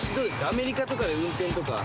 アメリカとかで運転とか。